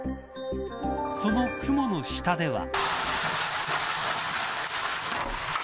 その雲の下では。